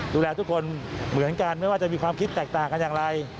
ดูแลทุกคนเหมือนกันไม่ว่าจะมีความคิดแตกต่างกันอย่างไร